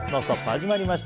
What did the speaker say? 始まりました。